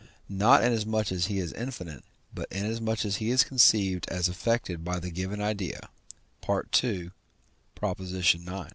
not inasmuch as he is infinite, but inasmuch as he is conceived as affected by the given idea (II. ix.).